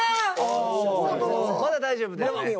まだ大丈夫ですね。